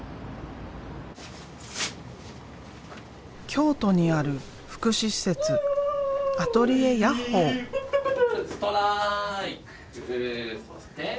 京都にある福祉施設「アトリエやっほぅ！！」。